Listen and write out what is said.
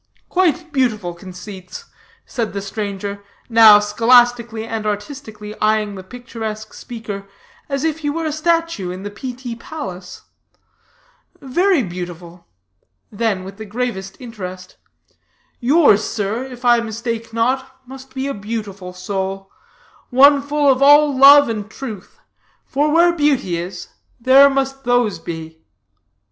"Quite beautiful conceits," said the stranger, now scholastically and artistically eying the picturesque speaker, as if he were a statue in the Pitti Palace; "very beautiful:" then with the gravest interest, "yours, sir, if I mistake not, must be a beautiful soul one full of all love and truth; for where beauty is, there must those be."